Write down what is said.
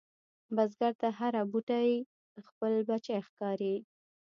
بزګر ته هره بوټۍ خپل بچی ښکاري